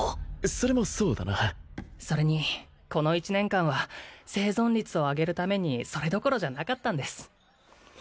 それもそうだなそれにこの１年間は生存率を上げるためにそれどころじゃなかったんです